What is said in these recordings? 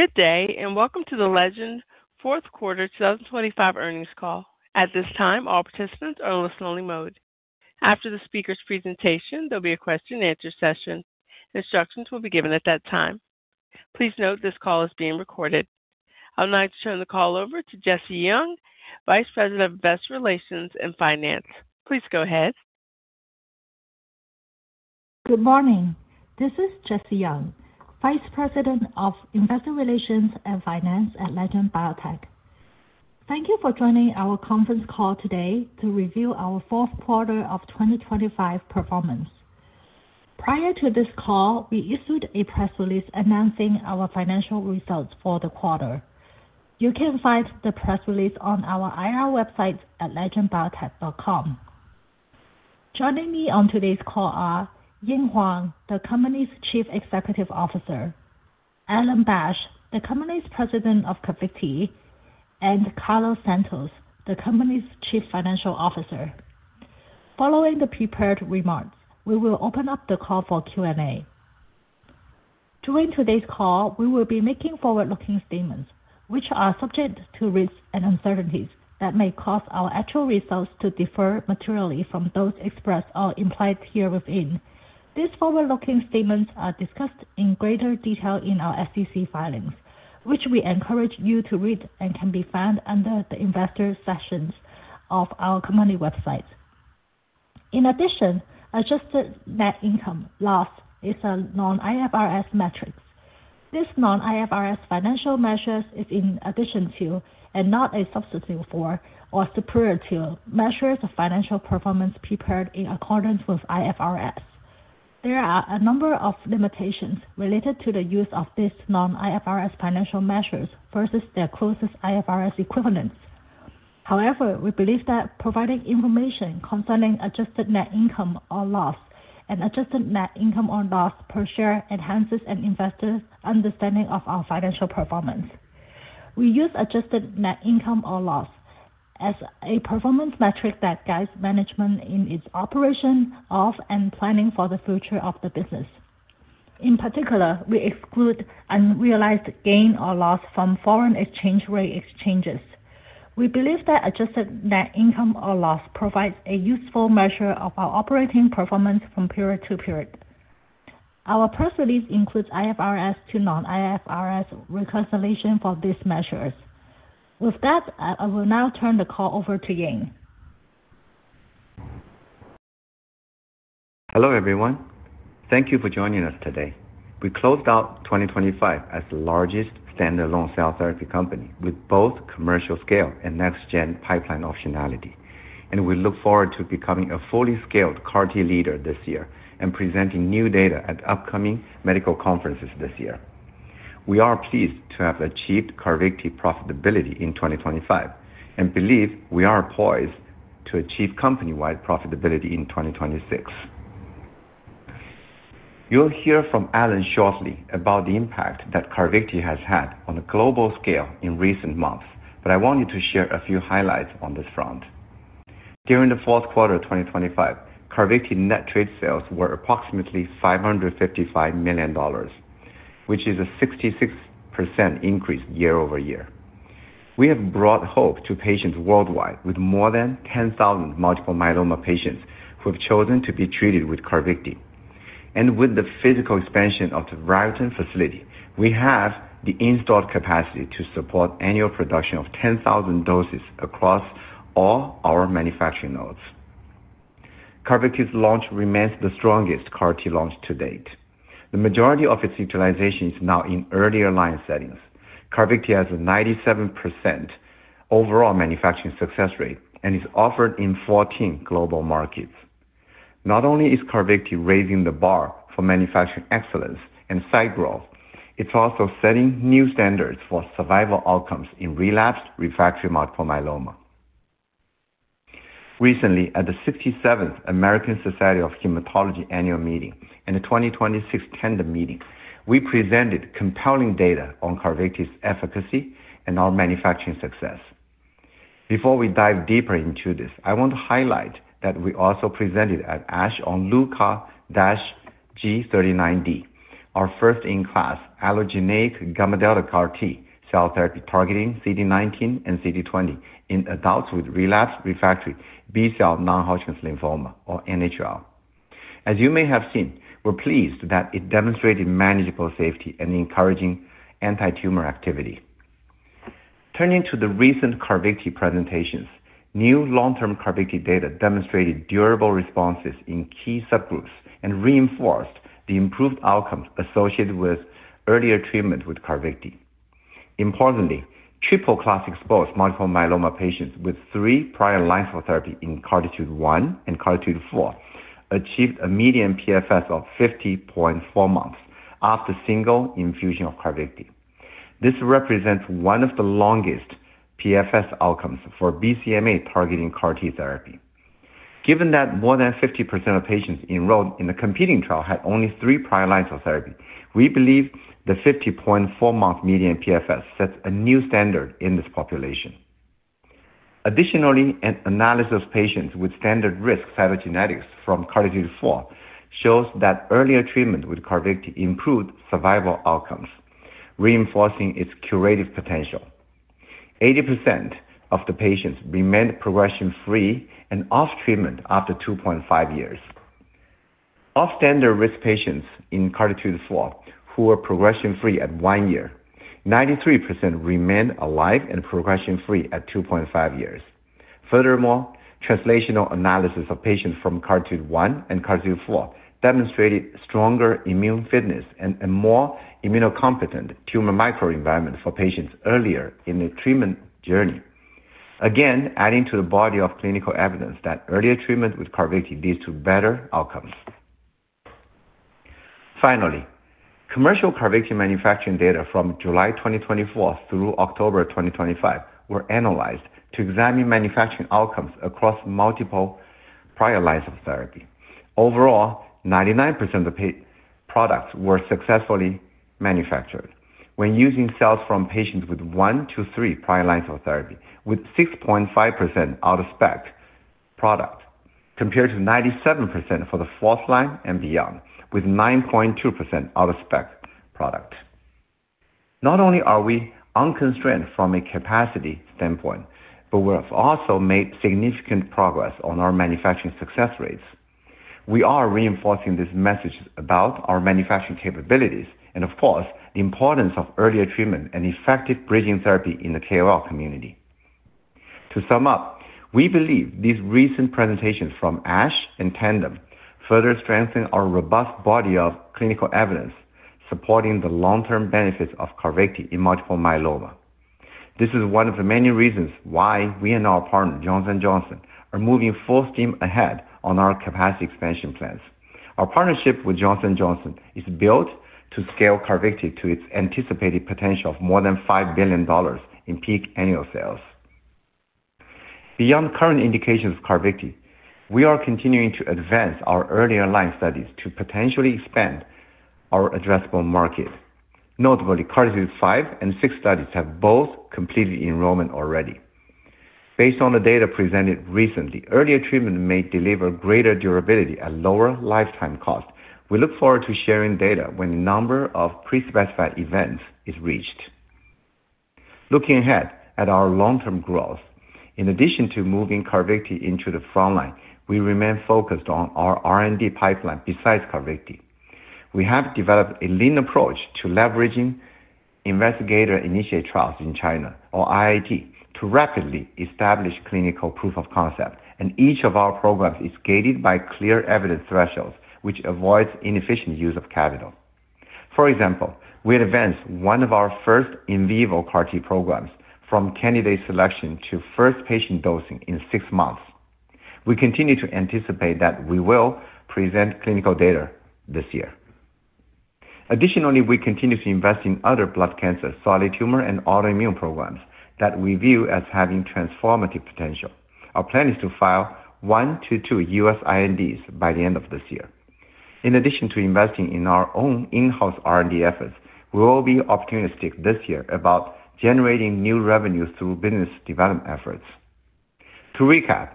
Good day, and welcome to the Legend fourth quarter 2025 earnings call. At this time, all participants are in listen-only mode. After the speaker's presentation, there'll be a question-and-answer session. Instructions will be given at that time. Please note this call is being recorded. I would now like to turn the call over to Jessie Yeung, Vice President of Investor Relations and Finance. Please go ahead. Good morning. This is Jessie Yeung, Vice President of Investor Relations and Finance at Legend Biotech. Thank you for joining our conference call today to review our fourth quarter of 2025 performance. Prior to this call, we issued a press release announcing our financial results for the quarter. You can find the press release on our IR website at legendbiotech.com. Joining me on today's call are Ying Huang, the company's Chief Executive Officer, Alan Bash, the company's President of CARVYKTI, and Carlos Santos, the company's Chief Financial Officer. Following the prepared remarks, we will open up the call for Q&A. During today's call, we will be making forward-looking statements, which are subject to risks and uncertainties that may cause our actual results to differ materially from those expressed or implied herein. These forward-looking statements are discussed in greater detail in our SEC filings, which we encourage you to read and can be found under the Investors sections of our company website. In addition, adjusted net income loss is a non-IFRS metric. This non-IFRS financial measure is in addition to, and not a substitute for or superior to, measures of financial performance prepared in accordance with IFRS. There are a number of limitations related to the use of these non-IFRS financial measures versus their closest IFRS equivalents. However, we believe that providing information concerning adjusted net income or loss and adjusted net income or loss per share enhances an investor's understanding of our financial performance. We use adjusted net income or loss as a performance metric that guides management in its operation of and planning for the future of the business. In particular, we exclude unrealized gain or loss from foreign exchange rate changes. We believe that adjusted net income or loss provides a useful measure of our operating performance from period to period. Our press release includes IFRS to non-IFRS reconciliation for these measures. With that, I will now turn the call over to Ying. Hello, everyone. Thank you for joining us today. We closed out 2025 as the largest standalone cell therapy company with both commercial scale and next-gen pipeline optionality, and we look forward to becoming a fully scaled CAR-T leader this year and presenting new data at upcoming medical conferences this year. We are pleased to have achieved CARVYKTI profitability in 2025 and believe we are poised to achieve company-wide profitability in 2026. You'll hear from Alan shortly about the impact that CARVYKTI has had on a global scale in recent months, but I wanted to share a few highlights on this front. During the fourth quarter of 2025, CARVYKTI net trade sales were approximately $555 million, which is a 66% increase year-over-year. We have brought hope to patients worldwide with more than 10,000 multiple myeloma patients who have chosen to be treated with CARVYKTI. With the physical expansion of the Raritan facility, we have the installed capacity to support annual production of 10,000 doses across all our manufacturing nodes. CARVYKTI's launch remains the strongest CAR-T launch to date. The majority of its utilization is now in earlier line settings. CARVYKTI has a 97% overall manufacturing success rate and is offered in 14 global markets. Not only is CARVYKTI raising the bar for manufacturing excellence and site growth, it's also setting new standards for survival outcomes in relapsed refractory multiple myeloma. Recently, at the 67th American Society of Hematology annual meeting and the 2026 Tandem meeting, we presented compelling data on CARVYKTI's efficacy and our manufacturing success. Before we dive deeper into this, I want to highlight that we also presented at ASH on Lucar-G39D, our first-in-class allogeneic gamma delta CAR-T cell therapy targeting CD19 and CD20 in adults with relapsed refractory B-cell non-Hodgkin's lymphoma, or NHL. As you may have seen, we're pleased that it demonstrated manageable safety and encouraging antitumor activity. Turning to the recent CARVYKTI presentations, new long-term CARVYKTI data demonstrated durable responses in key subgroups and reinforced the improved outcomes associated with earlier treatment with CARVYKTI. Importantly, triple class-exposed multiple myeloma patients with three prior lines of therapy in CARTITUDE-1 and CARTITUDE-4 achieved a median PFS of 50.4 months after single infusion of CARVYKTI. This represents one of the longest PFS outcomes for BCMA-targeting CAR-T therapy. Given that more than 50% of patients enrolled in the competing trial had only three prior lines of therapy, we believe the 50.4-month median PFS sets a new standard in this population. Additionally, an analysis of patients with standard-risk cytogenetics from CARTITUDE-4 shows that earlier treatment with CARVYKTI improved survival outcomes, reinforcing its curative potential. 80% of the patients remained progression-free and off treatment after 2.5 years. Of standard-risk patients in CARTITUDE-4 who were progression-free at one year, 93% remained alive and progression-free at 2.5 years. Furthermore, translational analysis of patients from CARTITUDE-1 and CARTITUDE-4 demonstrated stronger immune fitness and a more immunocompetent tumor microenvironment for patients earlier in their treatment journey. Again, adding to the body of clinical evidence that earlier treatment with CARVYKTI leads to better outcomes. Finally, commercial CARVYKTI manufacturing data from July 2024 through October 2025 were analyzed to examine manufacturing outcomes across multiple prior lines of therapy. Overall, 99% of products were successfully manufactured when using cells from patients with one-three prior lines of therapy, with 6.5% out-of-spec product, compared to 97% for the fourth line and beyond, with 9.2% out-of-spec product. Not only are we unconstrained from a capacity standpoint, but we have also made significant progress on our manufacturing success rates. We are reinforcing this message about our manufacturing capabilities and, of course, the importance of earlier treatment and effective bridging therapy in the KOL community. To sum up, we believe these recent presentations from ASH and Tandem further strengthen our robust body of clinical evidence supporting the long-term benefits of CARVYKTI in multiple myeloma. This is one of the many reasons why we and our partner, Johnson & Johnson, are moving full steam ahead on our capacity expansion plans. Our partnership with Johnson & Johnson is built to scale CARVYKTI to its anticipated potential of more than $5 billion in peak annual sales. Beyond current indications of CARVYKTI, we are continuing to advance our earlier line studies to potentially expand our addressable market. Notably, CARTITUDE-5 and -6 studies have both completed enrollment already. Based on the data presented recently, earlier treatment may deliver greater durability at lower lifetime cost. We look forward to sharing data when the number of pre-specified events is reached. Looking ahead at our long-term growth, in addition to moving CARVYKTI into the frontline, we remain focused on our R&D pipeline besides CARVYKTI. We have developed a lean approach to leveraging investigator-initiated trials in China, or IIT, to rapidly establish clinical proof of concept, and each of our programs is gated by clear evidence thresholds, which avoids inefficient use of capital. For example, we advanced one of our first in vivo CAR-T programs from candidate selection to first patient dosing in six months. We continue to anticipate that we will present clinical data this year. Additionally, we continue to invest in other blood cancer, solid tumor, and autoimmune programs that we view as having transformative potential. Our plan is to file one to two U.S. INDs by the end of this year. In addition to investing in our own in-house R&D efforts, we will be opportunistic this year about generating new revenue through business development efforts. To recap,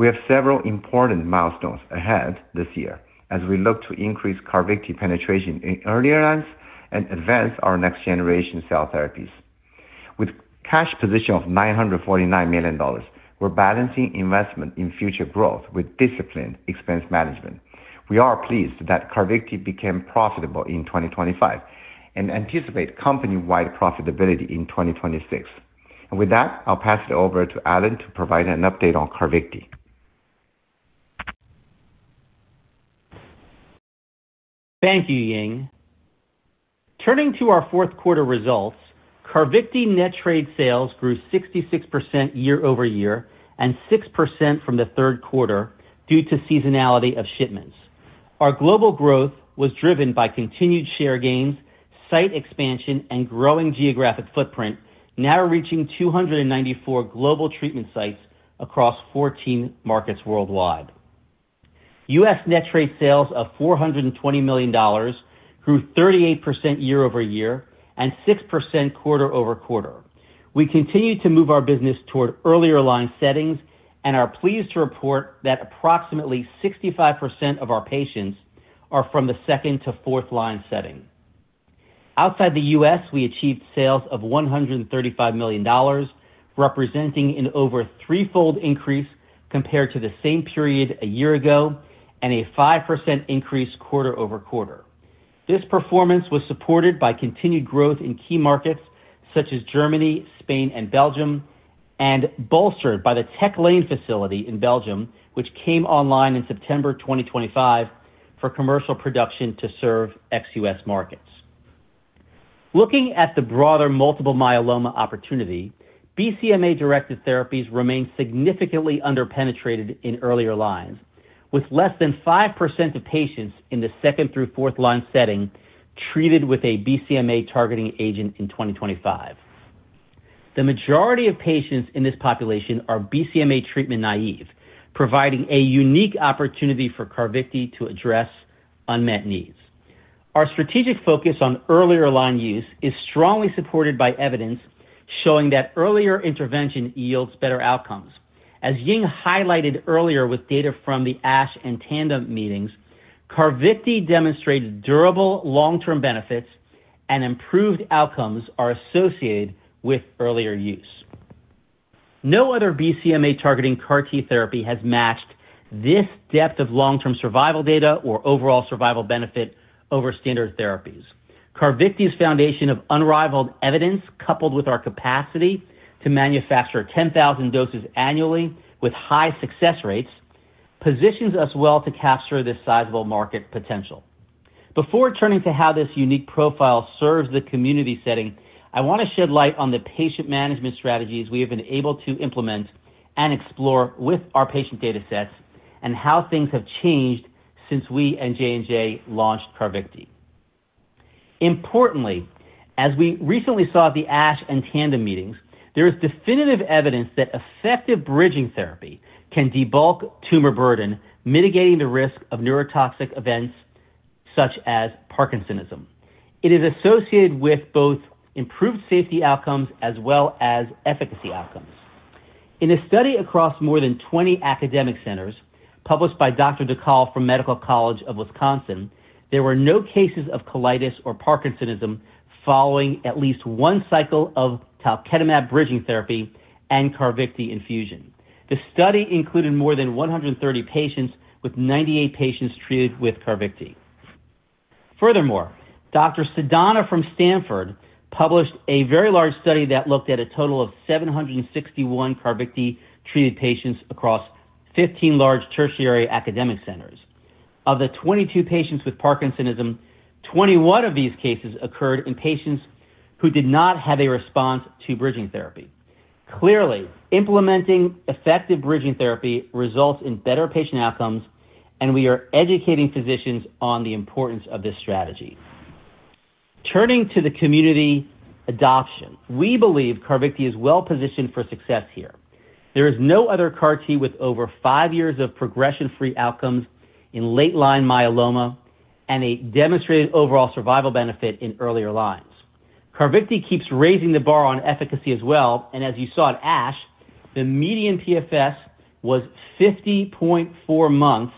we have several important milestones ahead this year as we look to increase CARVYKTI penetration in earlier lines and advance our next-generation cell therapies. With cash position of $949 million, we're balancing investment in future growth with disciplined expense management. We are pleased that CARVYKTI became profitable in 2025 and anticipate company-wide profitability in 2026. With that, I'll pass it over to Alan to provide an update on CARVYKTI. Thank you, Ying. Turning to our fourth quarter results, CARVYKTI net trade sales grew 66% year-over-year and 6% from the third quarter due to seasonality of shipments. Our global growth was driven by continued share gains, site expansion, and growing geographic footprint, now reaching 294 global treatment sites across 14 markets worldwide. U.S. net trade sales of $420 million grew 38% year-over-year and 6% quarter-over-quarter. We continue to move our business toward earlier line settings and are pleased to report that approximately 65% of our patients are from the second to fourth line setting. Outside the U.S., we achieved sales of $135 million, representing an over 3x increase compared to the same period a year ago and a 5% increase quarter-over-quarter. This performance was supported by continued growth in key markets such as Germany, Spain, and Belgium, and bolstered by the Tech Lane facility in Belgium, which came online in September 2025 for commercial production to serve ex-U.S. markets. Looking at the broader multiple myeloma opportunity, BCMA-directed therapies remain significantly under-penetrated in earlier lines, with less than 5% of patients in the second through fourth line setting treated with a BCMA targeting agent in 2025. The majority of patients in this population are BCMA treatment naive, providing a unique opportunity for CARVYKTI to address unmet needs. Our strategic focus on earlier line use is strongly supported by evidence showing that earlier intervention yields better outcomes. As Ying highlighted earlier with data from the ASH and Tandem meetings, CARVYKTI demonstrated durable long-term benefits and improved outcomes are associated with earlier use. No other BCMA targeting CAR-T therapy has matched this depth of long-term survival data or overall survival benefit over standard therapies. CARVYKTI's foundation of unrivaled evidence, coupled with our capacity to manufacture 10,000 doses annually with high success rates, positions us well to capture this sizable market potential. Before turning to how this unique profile serves the community setting, I wanna shed light on the patient management strategies we have been able to implement and explore with our patient data sets and how things have changed since we and J&J launched CARVYKTI. Importantly, as we recently saw at the ASH and Tandem meetings, there is definitive evidence that effective bridging therapy can debulk tumor burden, mitigating the risk of neurotoxic events such as Parkinsonism. It is associated with both improved safety outcomes as well as efficacy outcomes. In a study across more than 20 academic centers, published by Dr. Dhakal from Medical College of Wisconsin, there were no cases of colitis or Parkinsonism following at least one cycle of talquetamab bridging therapy and CARVYKTI infusion. The study included more than 130 patients, with 98 patients treated with CARVYKTI. Furthermore, Dr. Sidana from Stanford published a very large study that looked at a total of 761 CARVYKTI-treated patients across 15 large tertiary academic centers. Of the 22 patients with Parkinsonism, 21 of these cases occurred in patients who did not have a response to bridging therapy. Clearly, implementing effective bridging therapy results in better patient outcomes, and we are educating physicians on the importance of this strategy. Turning to the community adoption, we believe CARVYKTI is well positioned for success here. There is no other CAR-T with over five years of progression-free outcomes in late-line myeloma and a demonstrated overall survival benefit in earlier lines. CARVYKTI keeps raising the bar on efficacy as well, and as you saw at ASH, the median PFS was 50.4 months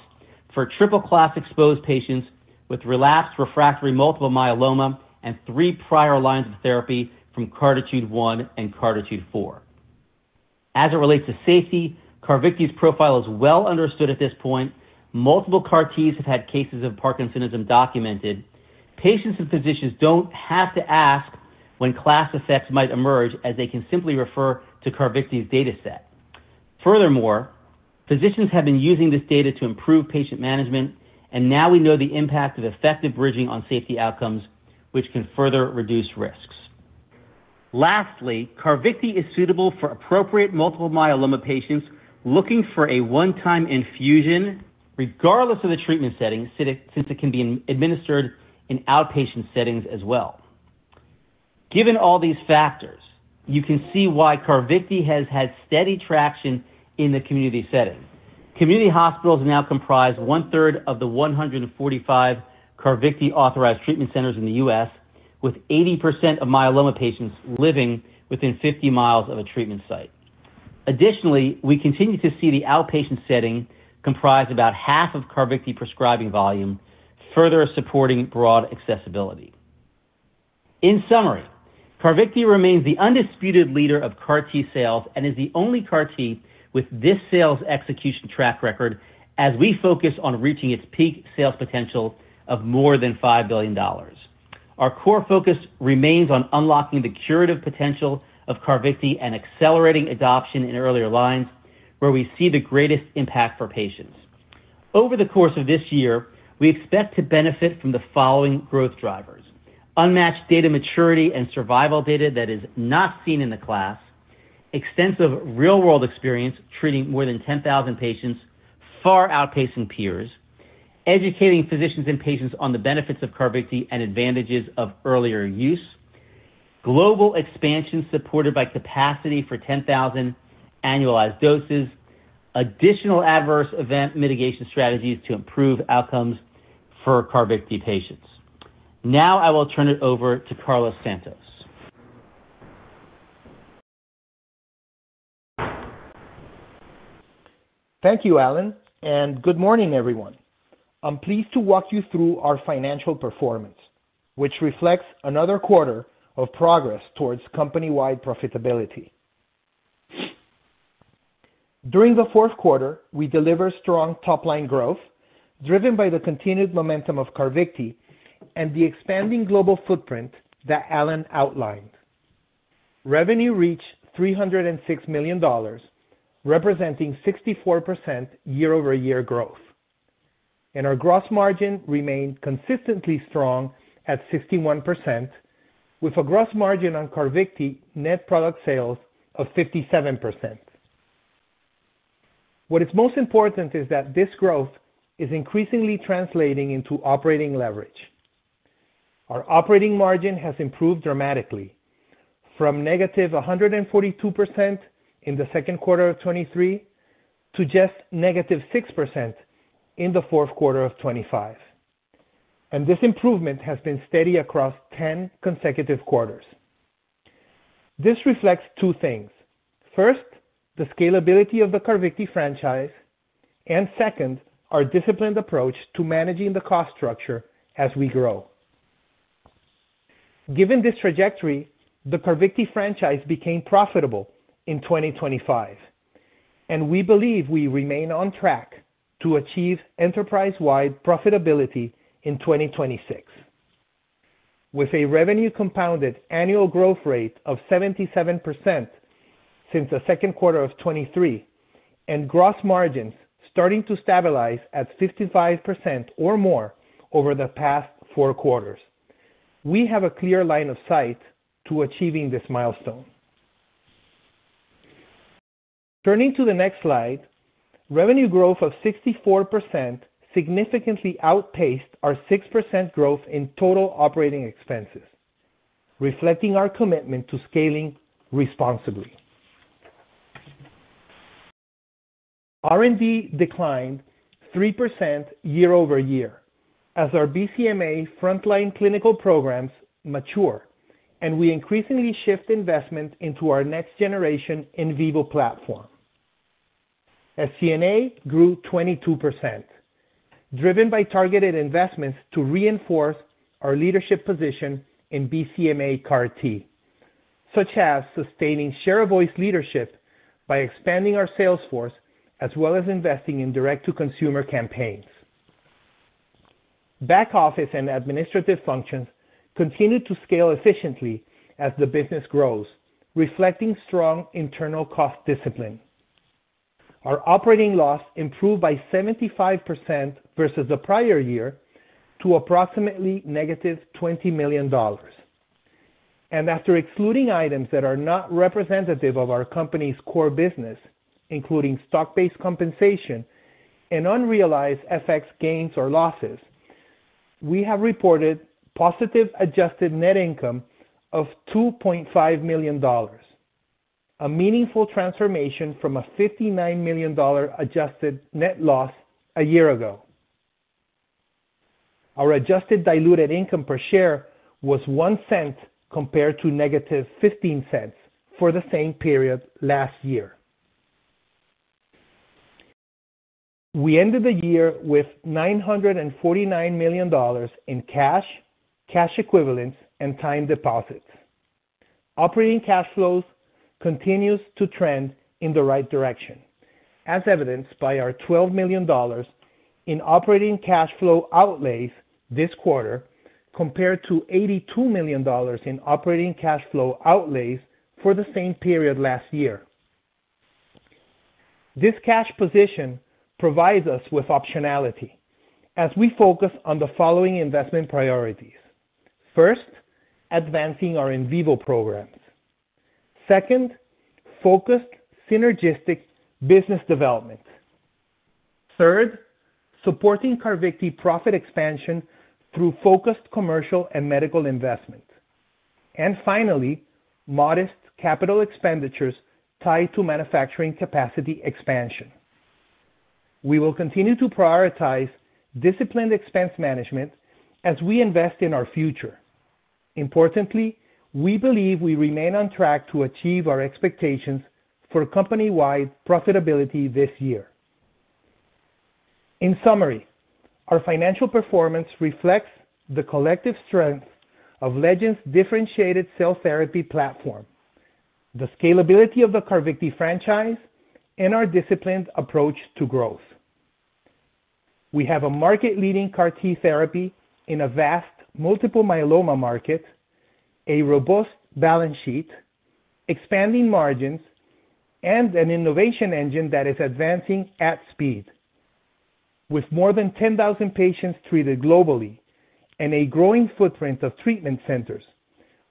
for triple-class-exposed patients with relapsed refractory multiple myeloma and three prior lines of therapy from CARTITUDE-1 and CARTITUDE-4. As it relates to safety, CARVYKTI's profile is well understood at this point. Multiple CAR-Ts have had cases of Parkinsonism documented. Patients and physicians don't have to ask when class effects might emerge, as they can simply refer to CARVYKTI's data set. Furthermore, physicians have been using this data to improve patient management, and now we know the impact of effective bridging on safety outcomes, which can further reduce risks. Lastly, CARVYKTI is suitable for appropriate multiple myeloma patients looking for a one-time infusion, regardless of the treatment setting, since it can be administered in outpatient settings as well. Given all these factors, you can see why CARVYKTI has had steady traction in the community setting. Community hospitals now comprise 1/3 of the 145 CARVYKTI-authorized treatment centers in the U.S., with 80% of myeloma patients living within 50 mi of a treatment site. Additionally, we continue to see the outpatient setting comprise about 1/2 of CARVYKTI prescribing volume, further supporting broad accessibility. In summary, CARVYKTI remains the undisputed leader of CAR-T sales and is the only CAR-T with this sales execution track record as we focus on reaching its peak sales potential of more than $5 billion. Our core focus remains on unlocking the curative potential of CARVYKTI and accelerating adoption in earlier lines where we see the greatest impact for patients. Over the course of this year, we expect to benefit from the following growth drivers, unmatched data maturity and survival data that is not seen in the class, extensive real-world experience treating more than 10,000 patients, far outpacing peers, educating physicians and patients on the benefits of CARVYKTI and advantages of earlier use, global expansion supported by capacity for 10,000 annualized doses, additional adverse event mitigation strategies to improve outcomes for CARVYKTI patients. Now I will turn it over to Carlos Santos. Thank you, Alan, and good morning, everyone. I'm pleased to walk you through our financial performance, which reflects another quarter of progress towards company-wide profitability. During the fourth quarter, we delivered strong top-line growth driven by the continued momentum of CARVYKTI and the expanding global footprint that Alan outlined. Revenue reached $306 million, representing 64% year-over-year growth. Our gross margin remained consistently strong at 61%, with a gross margin on CARVYKTI net product sales of 57%. What is most important is that this growth is increasingly translating into operating leverage. Our operating margin has improved dramatically. From -142% in the second quarter of 2023 to just -6% in the fourth quarter of 2025. This improvement has been steady across 10 consecutive quarters. This reflects two things. First, the scalability of the CARVYKTI franchise, and second, our disciplined approach to managing the cost structure as we grow. Given this trajectory, the CARVYKTI franchise became profitable in 2025, and we believe we remain on track to achieve enterprise-wide profitability in 2026. With a revenue compounded annual growth rate of 77% since the second quarter of 2023, and gross margins starting to stabilize at 55% or more over the past four quarters, we have a clear line of sight to achieving this milestone. Turning to the next slide, revenue growth of 64% significantly outpaced our 6% growth in total operating expenses, reflecting our commitment to scaling responsibly. R&D declined 3% year-over-year as our BCMA frontline clinical programs mature, and we increasingly shift investment into our next-generation in vivo platform. SG&A grew 22%, driven by targeted investments to reinforce our leadership position in BCMA CAR-T, such as sustaining share of voice leadership by expanding our sales force, as well as investing in direct-to-consumer campaigns. Back office and administrative functions continue to scale efficiently as the business grows, reflecting strong internal cost discipline. Our operating loss improved by 75% versus the prior year to approximately -$20 million. After excluding items that are not representative of our company's core business, including stock-based compensation and unrealized FX gains or losses, we have reported positive adjusted net income of $2.5 million, a meaningful transformation from a $59 million adjusted net loss a year ago. Our adjusted diluted income per share was $0.01 compared to -$0.15 for the same period last year. We ended the year with $949 million in cash equivalents, and time deposits. Operating cash flows continues to trend in the right direction, as evidenced by our $12 million in operating cash flow outlays this quarter, compared to $82 million in operating cash flow outlays for the same period last year. This cash position provides us with optionality as we focus on the following investment priorities. First, advancing our in vivo programs. Second, focused synergistic business development. Third, supporting CARVYKTI profit expansion through focused commercial and medical investment. And finally, modest capital expenditures tied to manufacturing capacity expansion. We will continue to prioritize disciplined expense management as we invest in our future. Importantly, we believe we remain on track to achieve our expectations for company-wide profitability this year. In summary, our financial performance reflects the collective strength of Legend's differentiated cell therapy platform, the scalability of the CARVYKTI franchise, and our disciplined approach to growth. We have a market-leading CAR-T therapy in a vast multiple myeloma market, a robust balance sheet, expanding margins, and an innovation engine that is advancing at speed. With more than 10,000 patients treated globally and a growing footprint of treatment centers,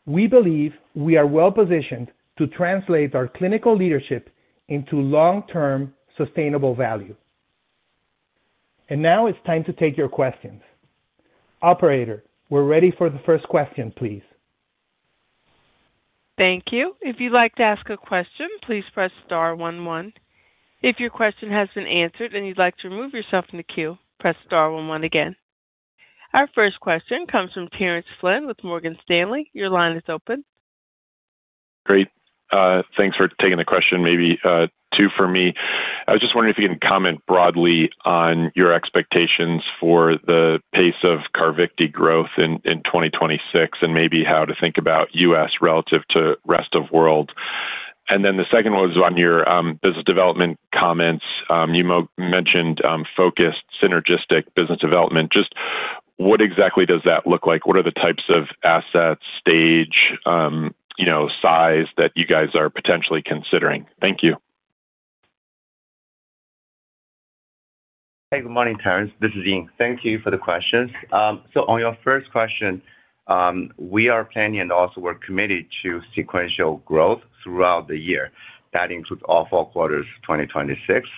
we believe we are well-positioned to translate our clinical leadership into long-term sustainable value. Now it's time to take your questions. Operator, we're ready for the first question, please. Thank you. If you'd like to ask a question, please press star one one. If your question has been answered and you'd like to remove yourself from the queue, press star one one again. Our first question comes from Terence Flynn with Morgan Stanley. Your line is open. Great. Thanks for taking the question, maybe two for me. I was just wondering if you can comment broadly on your expectations for the pace of CARVYKTI growth in 2026 and maybe how to think about U.S. relative to rest of world. The second one is on your business development comments. You mentioned focused synergistic business development. Just what exactly does that look like? What are the types of assets, stage, you know, size that you guys are potentially considering? Thank you. Hey, good morning, Terence. This is Ying. Thank you for the questions. On your first question, we are planning and also we're committed to sequential growth throughout the year. That includes all four quarters of 2026.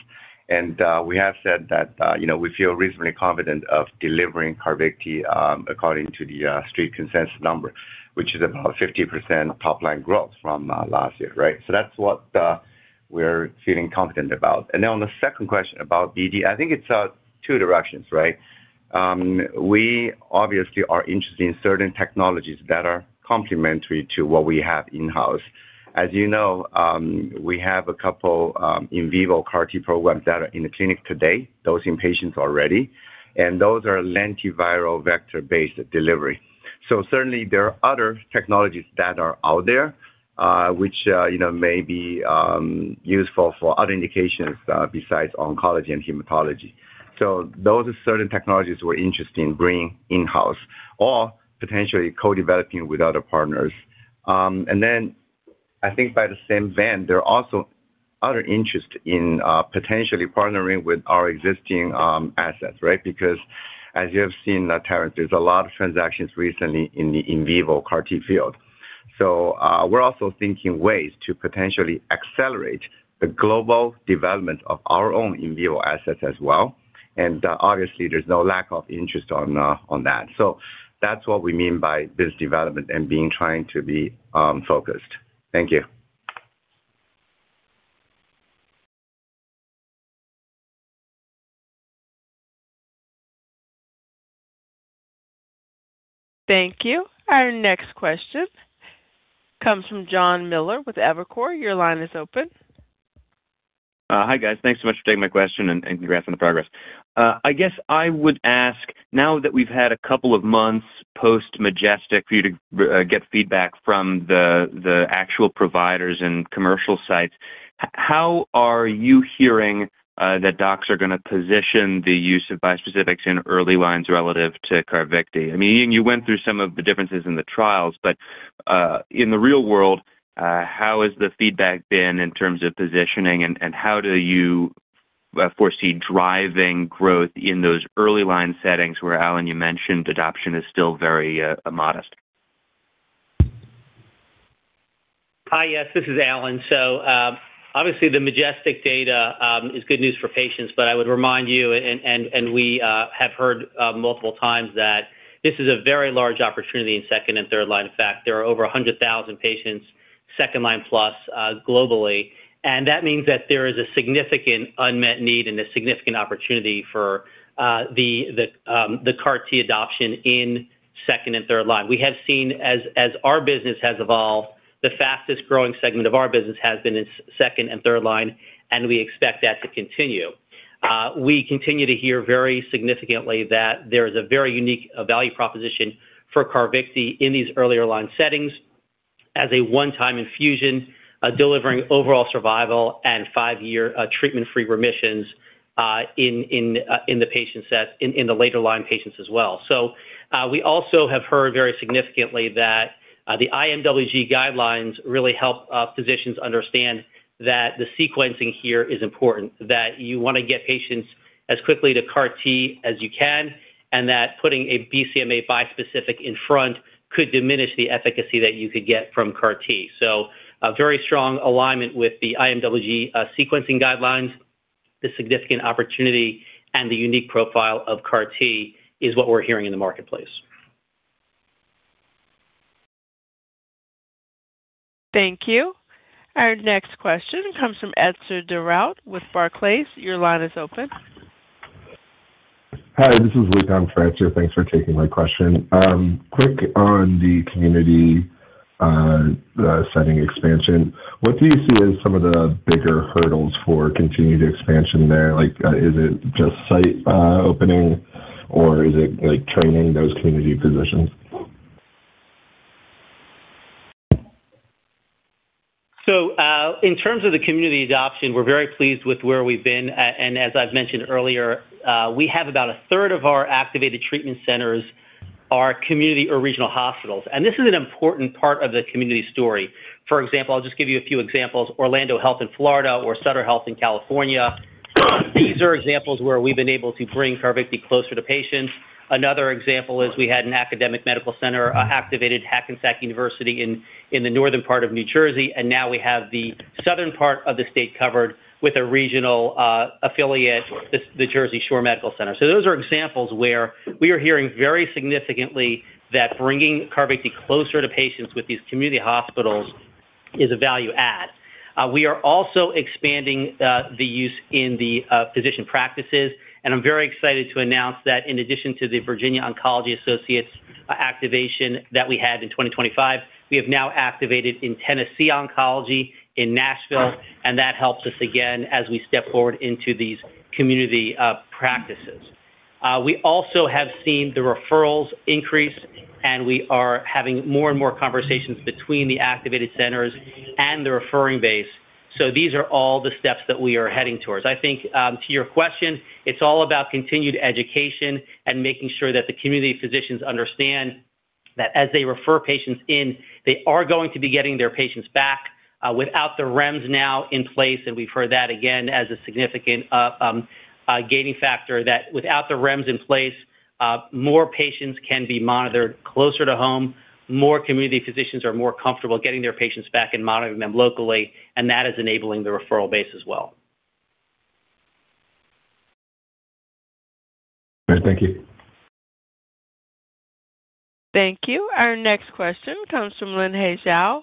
We have said that, you know, we feel reasonably confident of delivering CARVYKTI according to the street consensus number, which is about 50% top line growth from last year, right? That's what we're feeling confident about. On the second question about BD, I think it's two directions, right? We obviously are interested in certain technologies that are complementary to what we have in-house. As you know, we have a couple in vivo CAR-T programs that are in the clinic today, those in patients already, and those are lentiviral vector-based delivery. Certainly there are other technologies that are out there, which you know may be useful for other indications besides oncology and hematology. Those are certain technologies we're interested in bringing in-house or potentially co-developing with other partners. I think by the same vein, there are also other interest in potentially partnering with our existing assets, right? Because as you have seen, Terence, there's a lot of transactions recently in the in vivo CAR-T field. We're also thinking ways to potentially accelerate the global development of our own in vivo assets as well. Obviously, there's no lack of interest on that. That's what we mean by business development and being trying to be focused. Thank you. Thank you. Our next question comes from Jonathan Miller with Evercore. Your line is open. Hi, guys. Thanks so much for taking my question, and congrats on the progress. I guess I would ask, now that we've had a couple of months post-MagnetisMM-3 for you to get feedback from the actual providers and commercial sites, how are you hearing that docs are gonna position the use of bispecifics in early lines relative to CARVYKTI? I mean, Ying, you went through some of the differences in the trials, but in the real world, how has the feedback been in terms of positioning, and how do you foresee driving growth in those early line settings where, Alan, you mentioned adoption is still very modest? Hi. Yes, this is Alan. Obviously the MagnetisMM-3 data is good news for patients, but I would remind you, and we have heard multiple times that this is a very large opportunity in second and third line. In fact, there are over 100,000 patients, second line plus, globally. That means that there is a significant unmet need and a significant opportunity for the CAR-T adoption in second and third line. We have seen, as our business has evolved, the fastest growing segment of our business has been in second and third line, and we expect that to continue. We continue to hear very significantly that there is a very unique value proposition for CARVYKTI in these earlier line settings as a one-time infusion, delivering overall survival and five-year treatment-free remissions in the later line patients as well. We also have heard very significantly that the IMWG guidelines really help physicians understand that the sequencing here is important, that you wanna get patients as quickly to CAR-T as you can, and that putting a BCMA bispecific in front could diminish the efficacy that you could get from CAR-T. A very strong alignment with the IMWG sequencing guidelines, the significant opportunity, and the unique profile of CAR-T is what we're hearing in the marketplace. Thank you. Our next question comes from Edzer Darault with Barclays. Your line is open. Hi, this is Luqman France here. Thanks for taking my question. Quick on the community setting expansion, what do you see as some of the bigger hurdles for continued expansion there? Like, is it just site opening, or is it, like, training those community physicians? In terms of the community adoption, we're very pleased with where we've been. As I've mentioned earlier, we have about a third of our activated treatment centers are community or regional hospitals, and this is an important part of the community story. For example, I'll just give you a few examples. Orlando Health in Florida or Sutter Health in California, these are examples where we've been able to bring CARVYKTI closer to patients. Another example is we had an academic medical center activated Hackensack University Medical Center in the northern part of New Jersey, and now we have the southern part of the state covered with a regional affiliate, the Jersey Shore University Medical Center. Those are examples where we are hearing very significantly that bringing CARVYKTI closer to patients with these community hospitals is a value add. We are also expanding the use in the physician practices, and I'm very excited to announce that in addition to the Virginia Oncology Associates activation that we had in 2025, we have now activated in Tennessee Oncology in Nashville, and that helps us again as we step forward into these community practices. We also have seen the referrals increase, and we are having more and more conversations between the activated centers and the referring base. These are all the steps that we are heading towards. I think, to your question, it's all about continued education and making sure that the community physicians understand that as they refer patients in, they are going to be getting their patients back without the REMS now in place. We've heard that again as a significant gaining factor that without the REMS in place, more patients can be monitored closer to home. More community physicians are more comfortable getting their patients back and monitoring them locally, and that is enabling the referral base as well. Great. Thank you. Thank you. Our next question comes from Linhai Zhao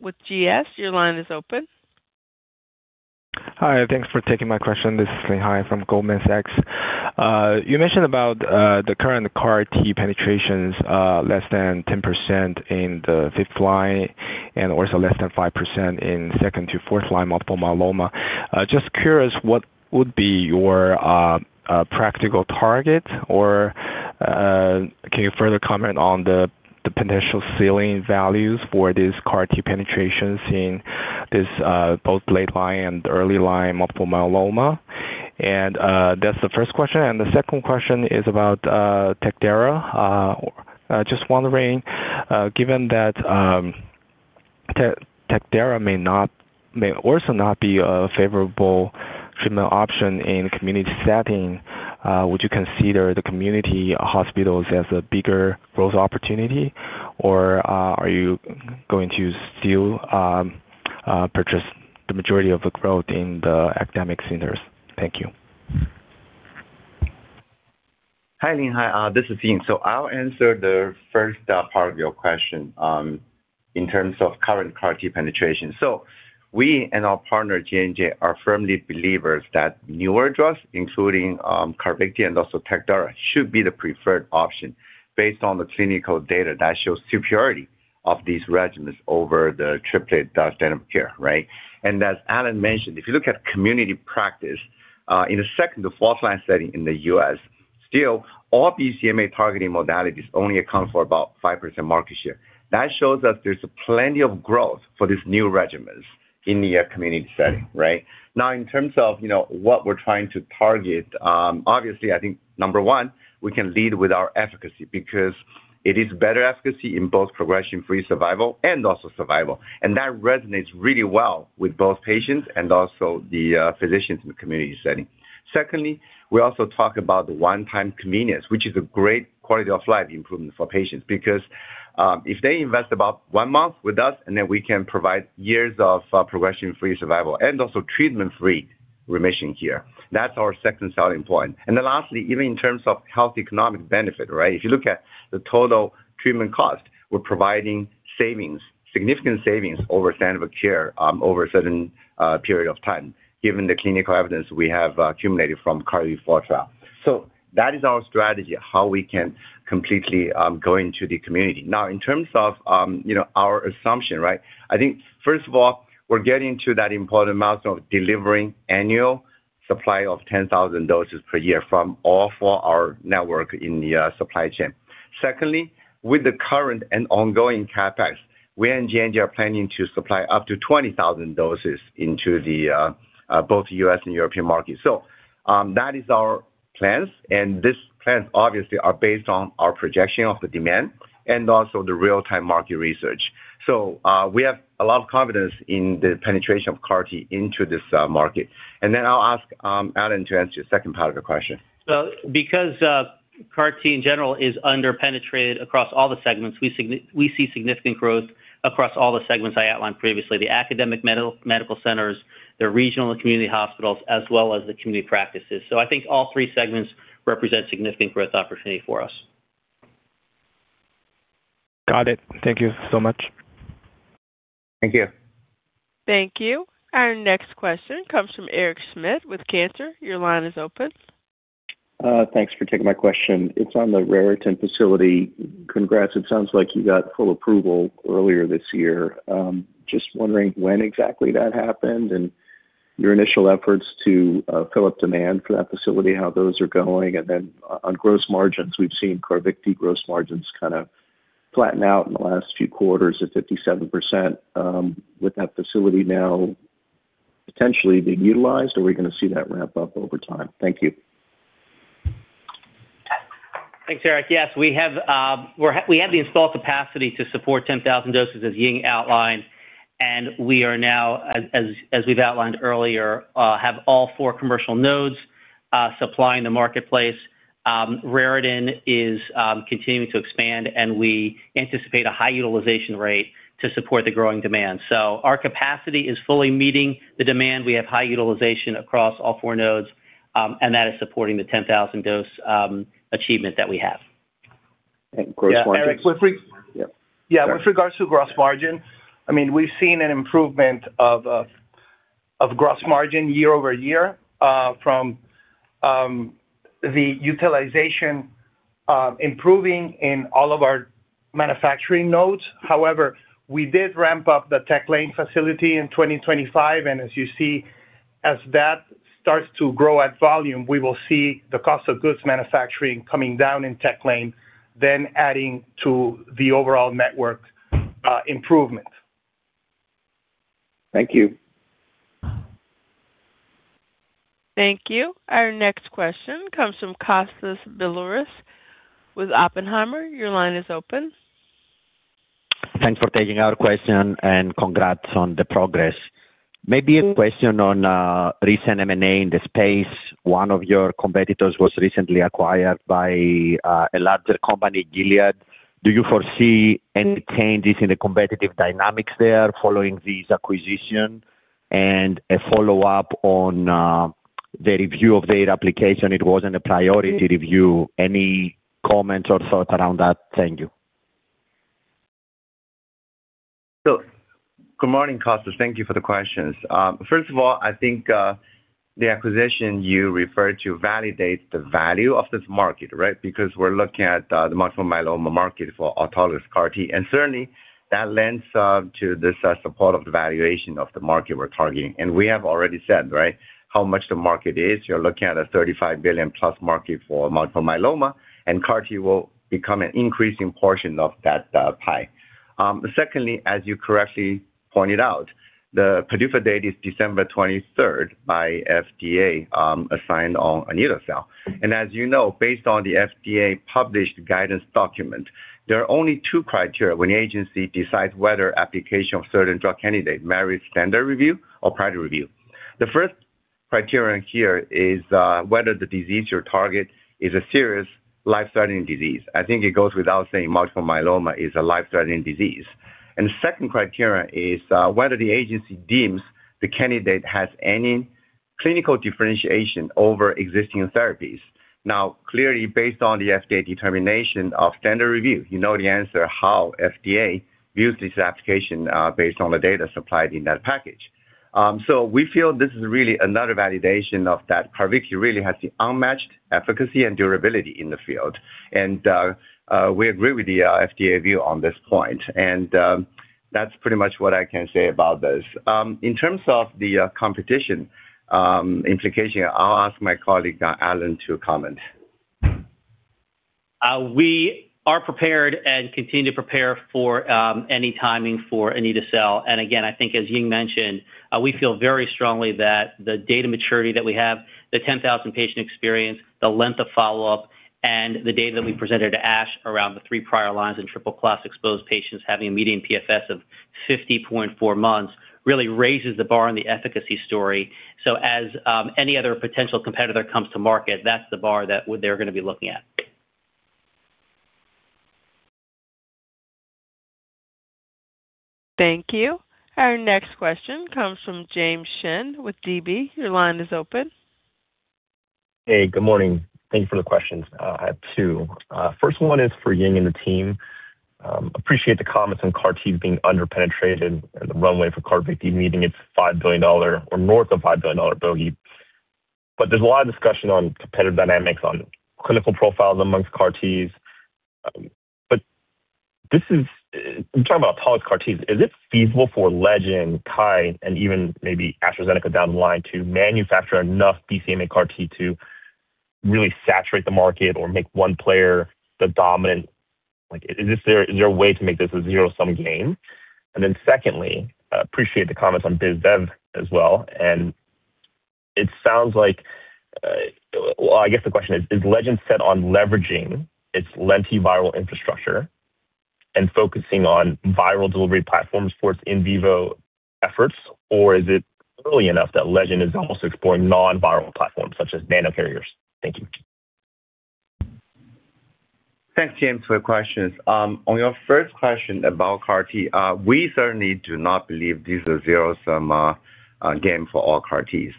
with GS. Your line is open. Hi. Thanks for taking my question. This is Linhai Zhao from Goldman Sachs. You mentioned about the current CAR-T penetrations, less than 10% in the fifth line and also less than 5% in second to fourth line multiple myeloma. Just curious, what would be your practical target or can you further comment on the potential ceiling values for this CAR-T penetration seeing this both late line and early line multiple myeloma? That's the first question. The second question is about [TECVAYLI]. Just wondering, given that [TECVAYLI] may also not be a favorable treatment option in community setting, would you consider the community hospitals as a bigger growth opportunity, or are you going to still capture the majority of the growth in the academic centers? Thank you. Hi, Linhai. This is Ying. I'll answer the first part of your question, in terms of current CAR-T penetration. We and our partner, J&J, are firmly believers that newer drugs, including CARVYKTI and also [TECVAYLI], should be the preferred option based on the clinical data that shows superiority of these regimens over the triplet standard of care, right? As Alan mentioned, if you look at community practice, in the second to fourth line setting in the U.S., still all BCMA targeting modalities only account for about 5% market share. That shows that there's plenty of growth for these new regimens in the community setting, right? Now, in terms of, you know, what we're trying to target, obviously I think, number one, we can lead with our efficacy because it is better efficacy in both progression-free survival and also survival. That resonates really well with both patients and also the physicians in the community setting. Secondly, we also talk about the one-time convenience, which is a great quality of life improvement for patients because, if they invest about one month with us, and then we can provide years of progression-free survival and also treatment-free remission here. That's our second selling point. Then lastly, even in terms of health economic benefit, right? If you look at the total treatment cost, we're providing savings, significant savings over standard of care, over a certain period of time, given the clinical evidence we have accumulated from CARTITUDE-4 trial. That is our strategy, how we can completely go into the community. Now, in terms of you know, our assumption, right? I think, first of all, we're getting to that important milestone of delivering annual supply of 10,000 doses per year from all of our network in the supply chain. Secondly, with the current and ongoing CapEx, we and J&J are planning to supply up to 20,000 doses into both U.S. and European markets. That is our plans, and these plans obviously are based on our projection of the demand and also the real-time market research. We have a lot of confidence in the penetration of CAR-T into this market. I'll ask Alan to answer the second part of the question. Because CAR-T in general is under-penetrated across all the segments, we see significant growth across all the segments I outlined previously, the academic medical centers, the regional and community hospitals, as well as the community practices. I think all three segments represent significant growth opportunity for us. Got it. Thank you so much. Thank you. Thank you. Our next question comes from Eric Schmidt with Cantor Fitzgerald. Your line is open. Thanks for taking my question. It's on the Raritan facility. Congrats. It sounds like you got full approval earlier this year. Just wondering when exactly that happened and your initial efforts to fill up demand for that facility, how those are going. On gross margins, we've seen CARVYKTI gross margins kinda flatten out in the last few quarters at 57%. With that facility now potentially being utilized, are we gonna see that ramp up over time? Thank you. Thanks, Eric. Yes, we have the installed capacity to support 10,000 doses, as Ying outlined, and we are now, as we've outlined earlier, have all four commercial nodes supplying the marketplace. Raritan is continuing to expand, and we anticipate a high utilization rate to support the growing demand. Our capacity is fully meeting the demand. We have high utilization across all four nodes, and that is supporting the 10,000 dose achievement that we have. Gross margins? Yeah, Eric, with re- Yeah. Yeah, with regards to gross margin, I mean, we've seen an improvement of gross margin year-over-year from the utilization improving in all of our manufacturing nodes. However, we did ramp up the Tech Lane facility in 2025, and as you see, as that starts to grow at volume, we will see the cost of goods manufacturing coming down in Tech Lane, then adding to the overall network improvement. Thank you. Thank you. Our next question comes from Kostas Biliouris with Oppenheimer. Your line is open. Thanks for taking our question and congrats on the progress. Maybe a question on recent M&A in the space. One of your competitors was recently acquired by a larger company, Gilead. Do you foresee any changes in the competitive dynamics there following this acquisition? A follow-up on the review of data application. It wasn't a priority review. Any comments or thoughts around that? Thank you. Good morning, Kostas. Thank you for the questions. First of all, I think the acquisition you referred to validates the value of this market, right? Because we're looking at the multiple myeloma market for autologous CAR-T, and certainly that lends to this support of the valuation of the market we're targeting. We have already said, right, how much the market is. You're looking at a $35+ billion market for multiple myeloma and CAR-T will become an increasing portion of that pie. Secondly, as you correctly pointed out, the PDUFA date is December 23rd by FDA, assigned on anitocabtagene autoleucel. As you know, based on the FDA-published guidance document, there are only two criteria when the agency decides whether application of certain drug candidates merits standard review or priority review. The first criterion here is, whether the disease or target is a serious life-threatening disease. I think it goes without saying, multiple myeloma is a life-threatening disease. The second criterion is, whether the agency deems the candidate has any clinical differentiation over existing therapies. Now, clearly, based on the FDA determination of standard review, you know the answer how FDA views this application, based on the data supplied in that package. We feel this is really another validation of that CARVYKTI really has the unmatched efficacy and durability in the field. We agree with the FDA view on this point. That's pretty much what I can say about this. In terms of the competition implication, I'll ask my colleague, Alan Bash to comment. We are prepared and continue to prepare for any timing for anitocabtagene autoleucel. Again, I think as Ying mentioned, we feel very strongly that the data maturity that we have, the 10,000 patient experience, the length of follow-up and the data that we presented to ASH around the three prior lines in triple-class exposed patients having a median PFS of 50.4 months really raises the bar on the efficacy story. As any other potential competitor comes to market, that's the bar that they're gonna be looking at. Thank you. Our next question comes from James Shin with DB. Your line is open. Hey, good morning. Thank you for the questions. I have two. First one is for Ying and the team. Appreciate the comments on CAR-T being under-penetrated and the runway for CARVYKTI meeting its $5 billion or north of $5 billion bogey. There's a lot of discussion on competitive dynamics on clinical profiles amongst CAR-Ts. This is. I'm talking about all CAR-Ts. Is it feasible for Legend, Kite, and even maybe AstraZeneca down the line to manufacture enough BCMA CAR-T to really saturate the market or make one player the dominant? Like, is this their. Is there a way to make this a zero-sum game? Secondly, appreciate the comments on [biz dev] as well. It sounds like, I guess the question is Legend set on leveraging its lentiviral infrastructure and focusing on viral delivery platforms for its in vivo efforts? Or is it early enough that Legend is also exploring non-viral platforms such as nanocarriers? Thank you. Thanks, James, for your questions. On your first question about CAR-T, we certainly do not believe this is a zero-sum game for all CAR-Ts,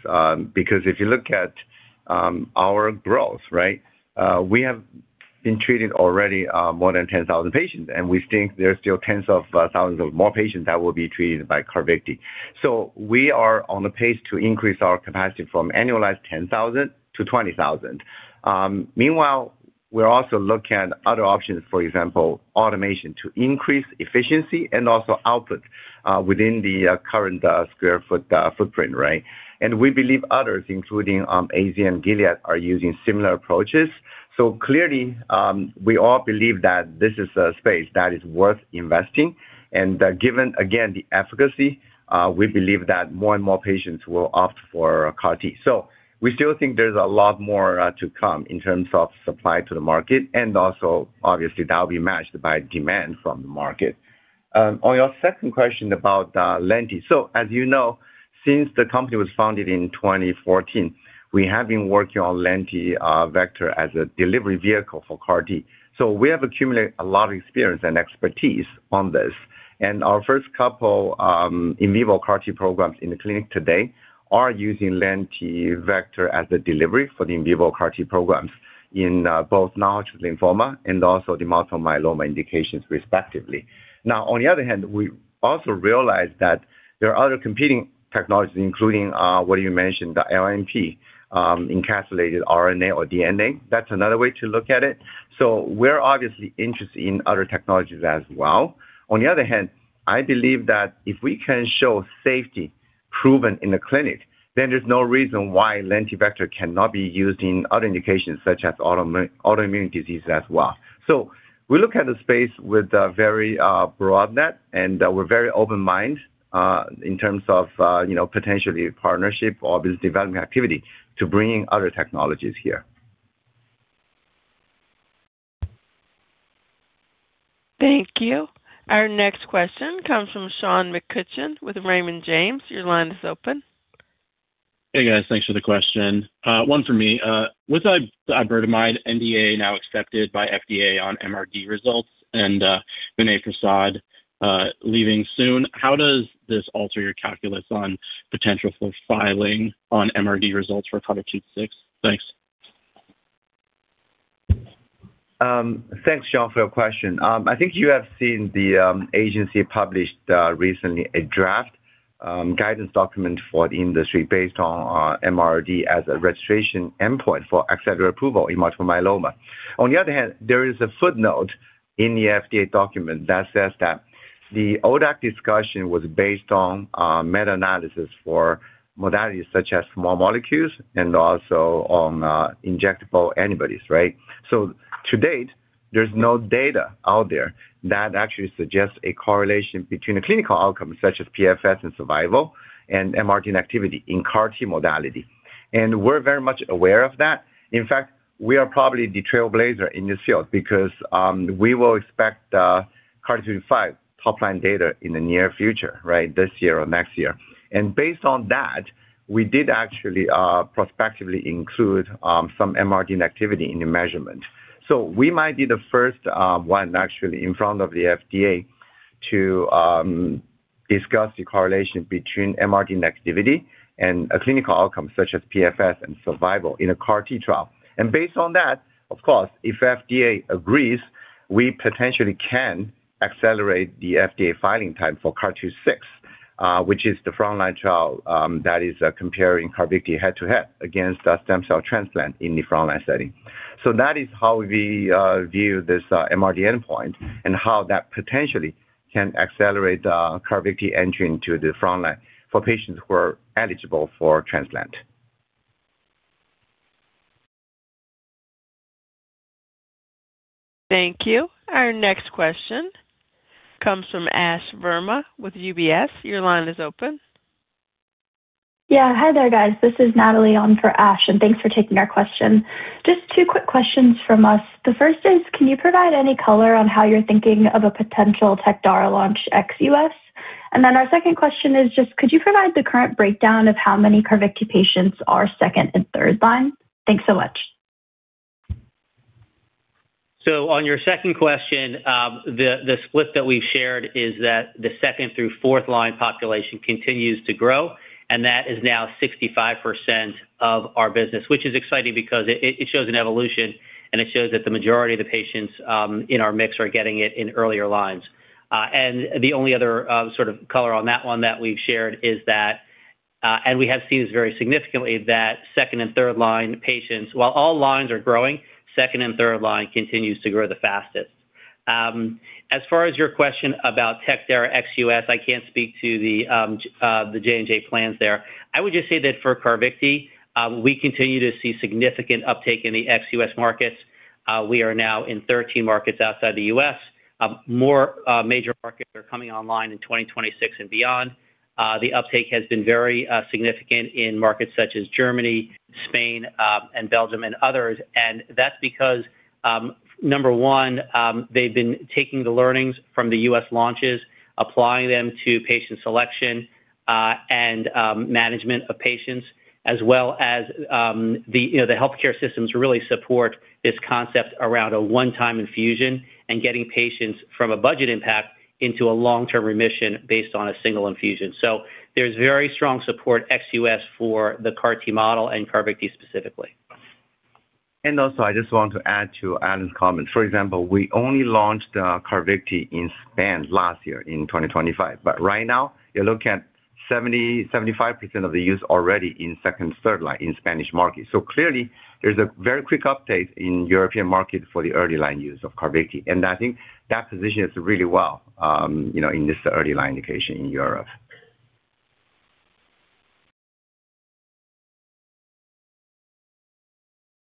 because if you look at our growth, right, we have been treating already more than 10,000 patients, and we think there are still tens of thousands of more patients that will be treated by CARVYKTI. We are on a pace to increase our capacity from annualized 10,000 to 20,000. Meanwhile, we're also looking at other options, for example, automation, to increase efficiency and also output within the current square foot footprint, right? We believe others, including AZ and Gilead, are using similar approaches. Clearly, we all believe that this is a space that is worth investing. Given, again, the efficacy, we believe that more and more patients will opt for CAR-T. We still think there's a lot more to come in terms of supply to the market, and also obviously that will be matched by demand from the market. On your second question about lenti. As you know, since the company was founded in 2014, we have been working on lenti vector as a delivery vehicle for CAR-T. We have accumulated a lot of experience and expertise on this, and our first couple in vivo CAR-T programs in the clinic today are using lenti vector as a delivery for the in vivo CAR-T programs in both large lymphoma and also the multiple myeloma indications respectively. Now, on the other hand, we also realize that there are other competing technologies, including what you mentioned, the LNP, encapsulated RNA or DNA. That's another way to look at it. We're obviously interested in other technologies as well. On the other hand, I believe that if we can show safety proven in the clinic, then there's no reason why lenti vector cannot be used in other indications such as autoimmune disease as well. We look at the space with a very broad net, and we're very open mind in terms of you know, potentially partnership or business development activity to bringing other technologies here. Thank you. Our next question comes from Sean McCutcheon with Raymond James. Your line is open. Hey, guys. Thanks for the question. One for me. With Iberdomide NDA now accepted by FDA on MRD results and Vinay Prasad leaving soon, how does this alter your calculus on potential for filing on MRD results for product 26? Thanks. Thanks, Sean, for your question. I think you have seen the agency published recently a draft guidance document for the industry based on MRD as a registration endpoint for accelerated approval in multiple myeloma. On the other hand, there is a footnote in the FDA document that says that the ODAC discussion was based on meta-analysis for modalities such as small molecules and also on injectable antibodies, right? To date, there's no data out there that actually suggests a correlation between the clinical outcomes, such as PFS and survival and MRD activity in CAR-T modality. We're very much aware of that. In fact, we are probably the trailblazer in this field because we will expect CARTITUDE-5 top-line data in the near future, right? This year or next year. Based on that, we did actually prospectively include some MRD activity in the measurement. We might be the first one actually in front of the FDA to discuss the correlation between MRD activity and a clinical outcome such as PFS and survival in a CAR-T trial. Based on that, of course, if FDA agrees, we potentially can accelerate the FDA filing time for CARTITUDE-6, which is the frontline trial that is comparing CARVYKTI head-to-head against a stem cell transplant in the frontline setting. That is how we view this MRD endpoint and how that potentially can accelerate the CARVYKTI entry into the frontline for patients who are eligible for transplant. Thank you. Our next question comes from Ashwani Verma with UBS. Your line is open. Yeah. Hi there, guys. This is Natalie on for Ash, and thanks for taking our question. Just two quick questions from us. The first is, can you provide any color on how you're thinking of a potential TECVAYLI launch ex-U.S.? Our second question is just could you provide the current breakdown of how many CARVYKTI patients are second and third line? Thanks so much. On your second question, the split that we've shared is that the second through fourth line population continues to grow, and that is now 65% of our business, which is exciting because it shows an evolution, and it shows that the majority of the patients in our mix are getting it in earlier lines. The only other sort of color on that one that we've shared is that we have seen this very significantly that second and third line patients, while all lines are growing, second and third line continues to grow the fastest. As far as your question about CAR-T data ex-U.S., I can't speak to the J&J plans there. I would just say that for CARVYKTI, we continue to see significant uptake in the ex-U.S. markets. We are now in 13 markets outside the U.S. More major markets are coming online in 2026 and beyond. The uptake has been very significant in markets such as Germany, Spain, and Belgium and others. That's because, number one, they've been taking the learnings from the U.S. launches, applying them to patient selection, and management of patients, as well as, you know, the healthcare systems really support this concept around a one-time infusion and getting patients from a budget impact into a long-term remission based on a single infusion. There's very strong support ex-U.S. for the CAR-T model and CARVYKTI specifically. I just want to add to Alan's comment. For example, we only launched CARVYKTI in Spain last year in 2025, but right now you're looking at 70%-75% of the use already in second and third line in Spanish market. Clearly there's a very quick uptake in European market for the early line use of CARVYKTI. I think that positions really well, you know, in this early line indication in Europe.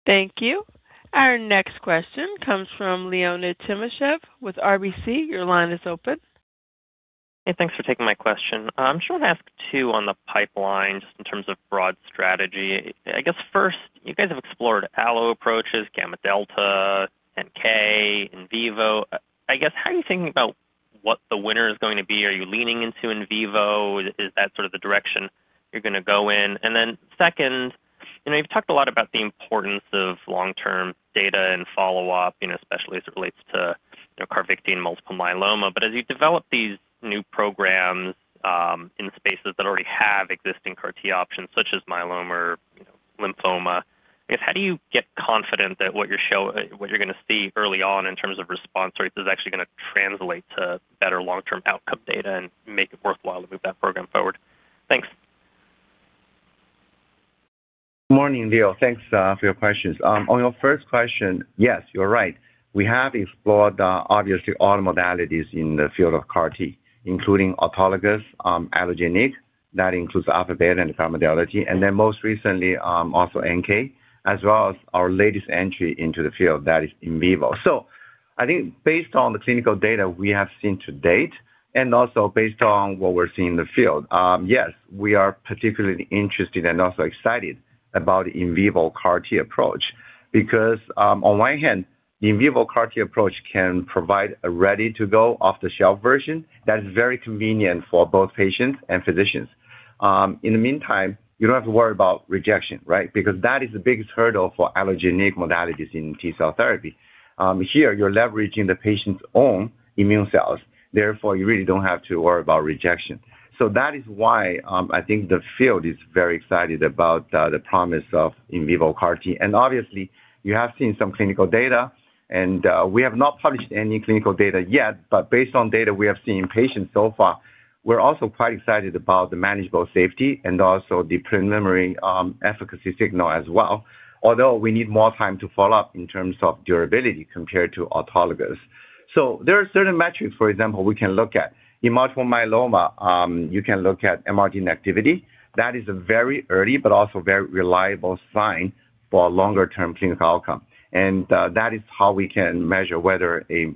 Thank you. Our next question comes from Leonid Timashev with RBC. Your line is open. Hey, thanks for taking my question. I just want to ask two on the pipeline just in terms of broad strategy. I guess first, you guys have explored allo approaches, gamma delta, NK, in vivo. I guess, how are you thinking about what the winner is going to be? Are you leaning into in vivo? Is that sort of the direction you're gonna go in? And then second, you know, you've talked a lot about the importance of long-term data and follow-up, you know, especially as it relates to, you know, CARVYKTI and multiple myeloma. As you develop these new programs, in spaces that already have existing CAR-T options such as myeloma or lymphoma, I guess, how do you get confident that what you show, what you're gonna see early on in terms of response rates is actually gonna translate to better long-term outcome data and make it worthwhile to move that program forward? Thanks. Morning, Leo. Thanks, for your questions. On your first question, yes, you're right. We have explored, obviously all modalities in the field CAR-T, including autologous, allogeneic, that includes alpha beta and the CAR modality, and then most recently, also NK, as well as our latest entry into the field that is in vivo. I think based on the clinical data we have seen to date. Also based on what we're seeing in the field, yes, we are particularly interested and also excited about in vivo CAR-T approach because, on one hand, in vivo CAR-T approach can provide a ready-to-go off-the-shelf version that is very convenient for both patients and physicians. In the meantime, you don't have to worry about rejection, right? Because that is the biggest hurdle for allogeneic modalities in T cell therapy. Here, you're leveraging the patient's own immune cells, therefore, you really don't have to worry about rejection. That is why, I think the field is very excited about the promise of in vivo CAR-T. Obviously, you have seen some clinical data, and we have not published any clinical data yet, but based on data we have seen in patients so far, we're also quite excited about the manageable safety and also the preliminary efficacy signal as well. Although we need more time to follow up in terms of durability compared to autologous. There are certain metrics, for example, we can look at. In multiple myeloma, you can look at MRD negativity. That is a very early but also very reliable sign for a longer-term clinical outcome. That is how we can measure whether a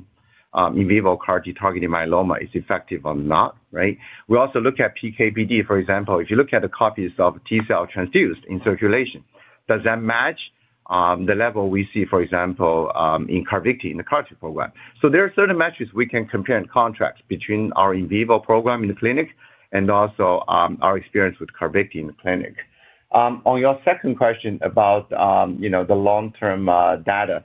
in vivo CAR-T targeting myeloma is effective or not, right? We also look at PK/PD, for example. If you look at the copies of T cell transfused in circulation, does that match the level we see, for example, in CARVYKTI, in the CAR-T program? There are certain metrics we can compare and contrast between our in vivo program in the clinic and also our experience with CARVYKTI in the clinic. On your second question about, you know, the long-term data,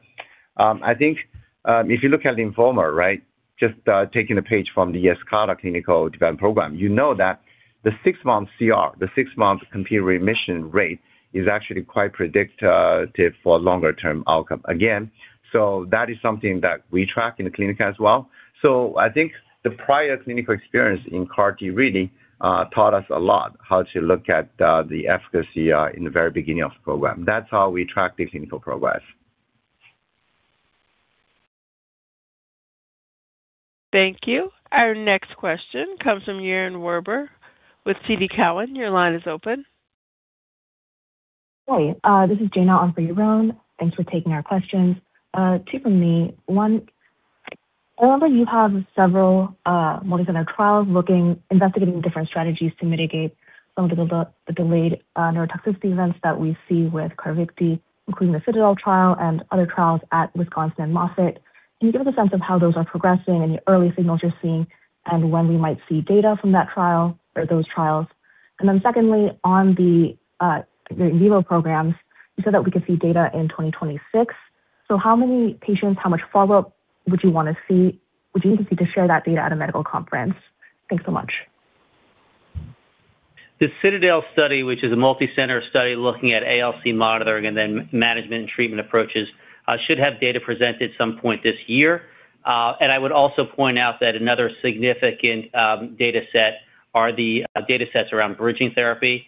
I think, if you look at lymphoma, right, just taking a page from the Yescarta clinical development program, you know that the six-month CR, the six-month complete remission rate is actually quite predictive for longer term outcome. Again, so that is something that we track in the clinic as well. I think the prior clinical experience in CAR-T really taught us a lot how to look at the efficacy in the very beginning of the program. That's how we track the clinical progress. Thank you. Our next question comes from Yaron Werber with TD Cowen. Your line is open. Hi. This is Jana on for Yaron Werber. Thanks for taking our questions. Two from me. One, I know that you have several multicenter trials investigating different strategies to mitigate some of the delayed neurotoxicity events that we see with CARVYKTI, including the CITADEL trial and other trials at Wisconsin and Moffitt. Can you give us a sense of how those are progressing and the early signals you're seeing and when we might see data from that trial or those trials? Secondly, on your in vivo programs, you said that we could see data in 2026. So how many patients, how much follow-up would you need to see to share that data at a medical conference? Thanks so much. The CITADEL study, which is a multicenter study looking at ALC monitoring and then management and treatment approaches, should have data presented some point this year. I would also point out that another significant data set are the data sets around bridging therapy,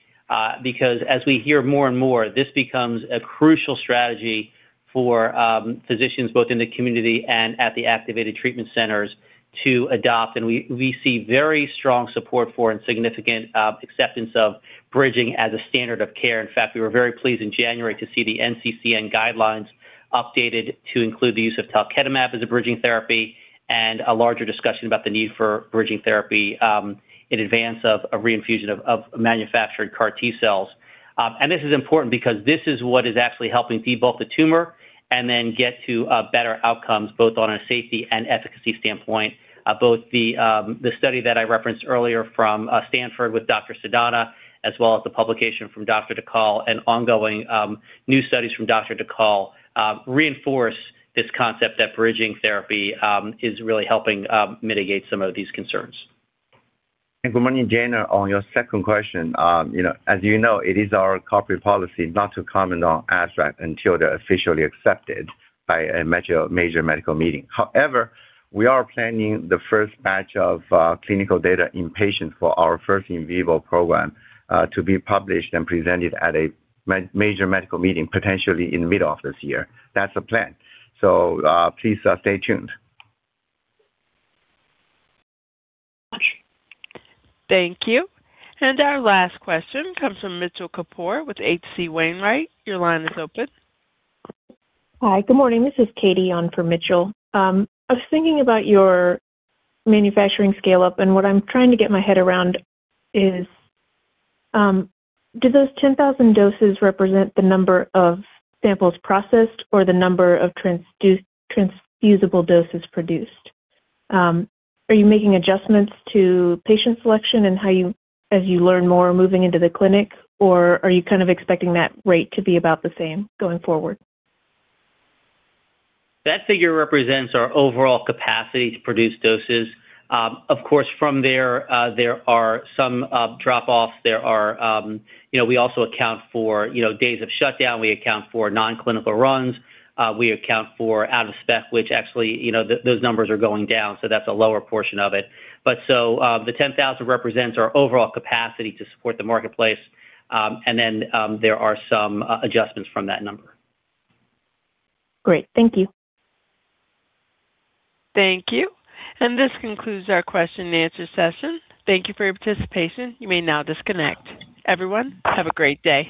because as we hear more and more, this becomes a crucial strategy for physicians both in the community and at the activated treatment centers to adopt. We see very strong support for and significant acceptance of bridging as a standard of care. In fact, we were very pleased in January to see the NCCN guidelines updated to include the use of talquetamab as a bridging therapy and a larger discussion about the need for bridging therapy, in advance of a reinfusion of manufactured CAR-T cells. This is important because this is what is actually helping debulk the tumor and then get to better outcomes both on a safety and efficacy standpoint. Both the study that I referenced earlier from Stanford with Dr. Sidana, as well as the publication from Dr. Dhakal and ongoing new studies from Dr. Dhakal, reinforce this concept that bridging therapy is really helping mitigate some of these concerns. Good morning, Jana. On your second question, you know, as you know, it is our corporate policy not to comment on abstract until they're officially accepted by a major medical meeting. However, we are planning the first batch of clinical data in patients for our first in vivo program to be published and presented at a major medical meeting, potentially in mid of this year. That's the plan. Please stay tuned. Thank you. Thank you. Our last question comes from Mitchell Kapoor with H.C. Wainwright. Your line is open. Hi. Good morning. This is Katie on for Mitchell. I was thinking about your manufacturing scale-up, and what I'm trying to get my head around is, do those 10,000 doses represent the number of samples processed or the number of transfusible doses produced? Are you making adjustments to patient selection as you learn more moving into the clinic, or are you kind of expecting that rate to be about the same going forward? That figure represents our overall capacity to produce doses. Of course, from there are some drop-offs. There are, you know, we also account for, you know, days of shutdown. We account for non-clinical runs. We account for out-of-spec, which actually, you know, those numbers are going down, so that's a lower portion of it. The 10,000 represents our overall capacity to support the marketplace, and then, there are some adjustments from that number. Great. Thank you. Thank you. This concludes our question and answer session. Thank you for your participation. You may now disconnect. Everyone, have a great day.